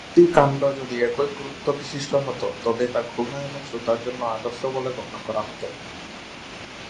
প্রতিটি কাণ্ড যদি একই পুরুত্ব বিশিষ্ট হত, তবে তা ঘূর্ণায়মান সুতার জন্য আদর্শ বলে গণ্য করা হত।